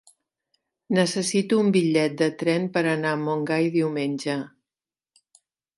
Necessito un bitllet de tren per anar a Montgai diumenge.